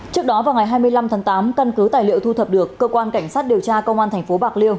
trước đó vào ngày hai mươi năm tháng tám căn cứ tài liệu thu thập được cơ quan cảnh sát điều tra công an tp bạc liêu